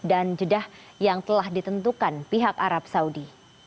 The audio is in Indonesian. dan jeddah yang telah ditentukan pihak arab saudi